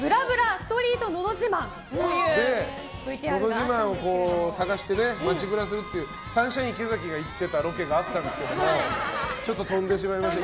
ストリートのど自慢というのど自慢を探して街ブラするっていうサンシャイン池崎が行ってたロケがあったんですけれどちょっと飛んでしまいました。